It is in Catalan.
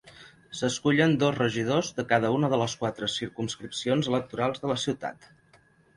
S'escullen dos regidors de cada una de les quatre circumscripcions electorals de la ciutat.